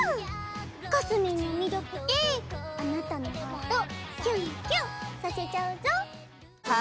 かすみんの魅力であなたのハートキュンキュンさせちゃうぞっ。